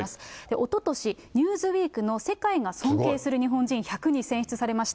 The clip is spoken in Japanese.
おととし、ニューズウィークの世界が尊敬する日本人１００に選出されました。